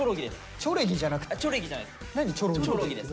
チョレギじゃないです。